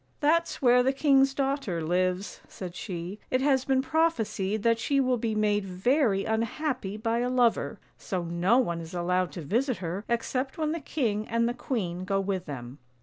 "" That's where the king's daughter lives," said she; " it has been prophesied that she will be made very unhappy by a lover, so no one is allowed to visit her except when the king and the queen go with them."